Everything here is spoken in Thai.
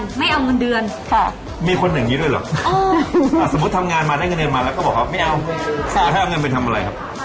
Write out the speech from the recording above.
กลายมาเป็นเปิดร้านแว่นตาได้ยังไงคะ